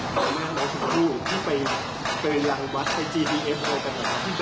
แล้วน้องน้องชิคกี้พูที่ไปไปรังวัดไอจีพีเอฟอร์กันนะครับ